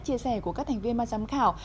chia sẻ của các thành viên mà giám khảo